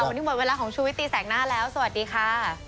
วันนี้หมดเวลาของชุวิตตีแสงหน้าแล้วสวัสดีค่ะ